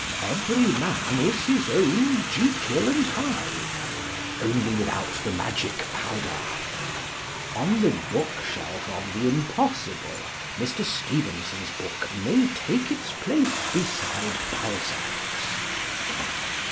Every man is his own Jekyll and Hyde, only without the magic powder. On the bookshelf of the Impossible, Mr. Stevenson's book may take its place beside Balzac's.